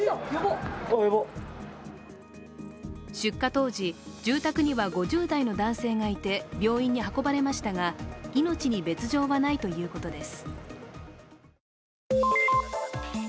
出火当時、住宅には５０代の男性がいて病院に運ばれましたが命に別状はないということです。